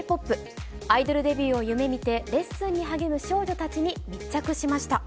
アイドルデビューを夢みて、レッスンに励む少女たちに密着しました。